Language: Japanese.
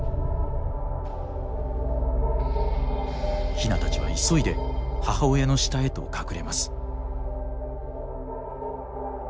ヒナたちは急いで母親の下へと隠れます。